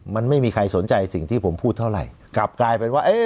มันไม่มีใครสนใจสิ่งที่ผมพูดเท่าไหร่กลับกลายเป็นว่าเอ๊ะ